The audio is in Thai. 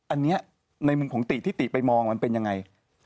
อันนี้ในมุมของติที่ติไปมองมันเป็นยังไง